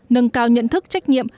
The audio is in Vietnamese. nâng cao nhận thức trách nhiệm